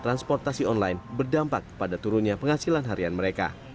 transportasi online berdampak pada turunnya penghasilan harian mereka